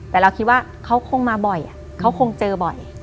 แต่เราคิดว่าเขาคงมาบ่อยเขาคงเจอบ่อย